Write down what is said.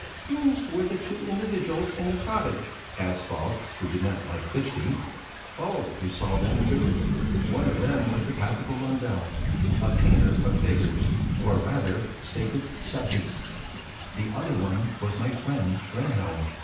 "Who were the two individuals in the cottage?" asked Falk, who did not like Fichte. "Oh. You saw them too? One of them was the practical Lundell, a painter of figures, or rather, sacred subjects; the other one was my friend Rehnhjelm."